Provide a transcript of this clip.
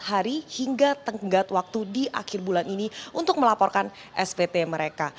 hari hingga tenggat waktu di akhir bulan ini untuk melaporkan spt mereka